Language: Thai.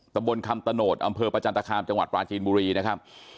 ตะบนคำตโนธอำเภอประจันตคามจังหวัดปลาจีนบุรีนะครับ